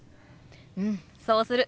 うんそうする！